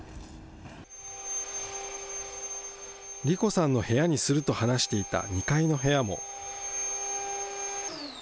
理子さんの部屋にすると話していた２階の部屋も。